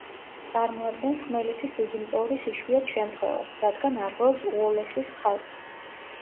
წარმოადგენს ხმელეთის ძუძუმწოვრის იშვიათ შემთხვევას, რადგან არღვევს უოლესის ხაზს.